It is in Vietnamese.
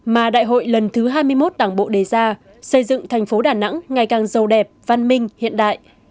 mà đại hội lần thứ hai mươi một đảng bộ đề ra xây dựng thành phố đà nẵng ngày càng giàu đẹp văn minh hiện đại